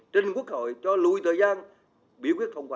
trình quốc hội cho lùi thời gian biểu quyết thông qua